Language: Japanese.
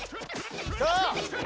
さあ！